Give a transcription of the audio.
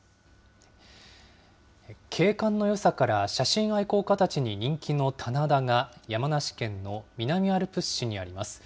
景観のよさから、写真愛好家たちに人気の棚田が、山梨県の南アルプス市にあります。